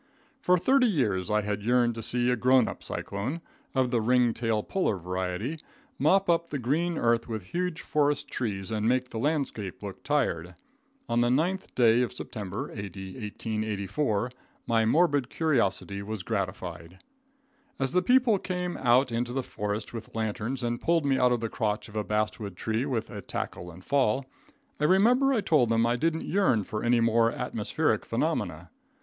For thirty years I had yearned to see a grown up cyclone, of the ring tail puller variety, mop up the green earth with huge forest trees and make the landscape look tired. On the 9th day of September, A.D. 1884, my morbid curiosity was gratified. As the people came out into the forest with lanterns and pulled me out of the crotch of a basswood tree with a "tackle and fall," I remember I told them I didn't yearn for any more atmospheric phenomena.